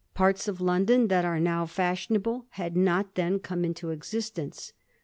Parts of London that are now fashionable had not then come into existence.